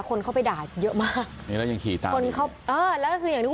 คนเข้าไปด่าเยอะมากนี่แล้วยังขี่ตามคนเขาเออแล้วก็คืออย่างที่